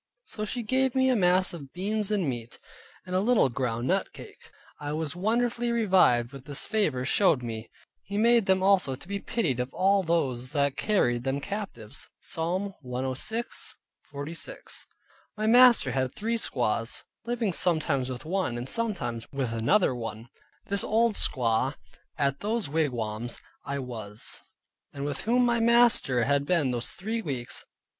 So she gave me a mess of beans and meat, and a little ground nut cake. I was wonderfully revived with this favor showed me: "He made them also to be pitied of all those that carried them captives" (Psalm 106.46). My master had three squaws, living sometimes with one, and sometimes with another one, this old squaw, at whose wigwam I was, and with whom my master had been those three weeks.